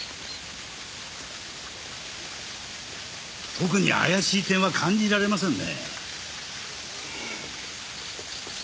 特に怪しい点は感じられませんね。